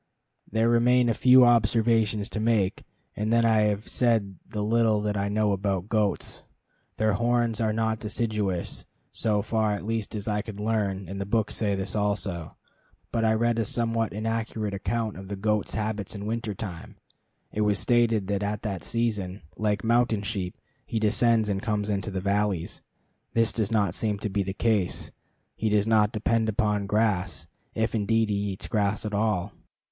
There remain a few observations to make, and then I have said the little that I know about goats. Their horns are not deciduous, so far at least as I could learn, and the books say this also. But I read a somewhat inaccurate account of the goat's habits in winter time. It was stated that at that season, like mountain sheep, he descends and comes into the valleys. This does not seem to be the case. He does not depend upon grass, if indeed he eats grass at all.